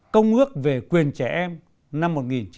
công ước về quyền trẻ em năm một nghìn chín trăm chín mươi